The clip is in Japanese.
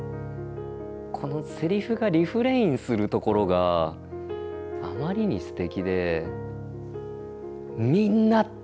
このセリフがリフレインするところがあまりにすてきで。